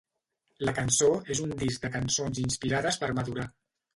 La cançó és un disc de cançons inspirades per madurar.